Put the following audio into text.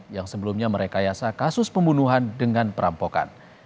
yang sebelumnya merekayasa kasus pembunuhan dengan perampokan